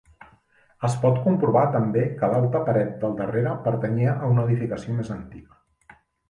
Es pot comprovar també que l'alta paret del darrere, pertanyia a una edificació més antiga.